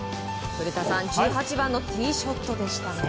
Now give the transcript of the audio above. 古田さん、１８番のティーショットでしたね。